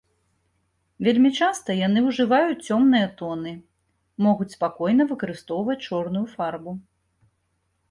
Вельмі часта яны ўжываюць цёмныя тоны, могуць спакойна выкарыстоўваць чорную фарбу.